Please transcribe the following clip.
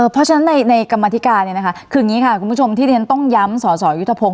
เพราะฉะนั้นในกรรมภิการเนี่ยคืออย่างงี้ค่ะคุณผู้ชมถึงเรียนต้องย้ำสสอยุทพงหรือแม้